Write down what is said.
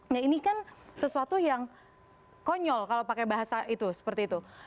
nah ini kan sesuatu yang konyol kalau pakai bahasa itu seperti itu